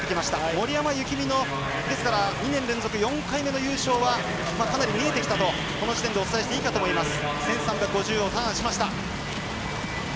森山幸美の２年連続４回目の優勝はかなり見えてきたとこの時点でお伝えしていいかと思います。